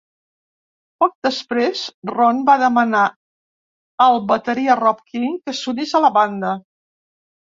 Poc després, Ron va demanar al bateria Rob King que s'unís a la banda.